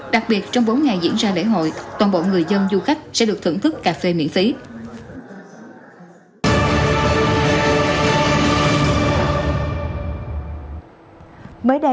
đặc biệt trong bốn ngày diễn ra lễ hội toàn bộ người dân du khách sẽ được thưởng thức cà phê miễn phí